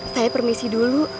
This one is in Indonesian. saya permisi dulu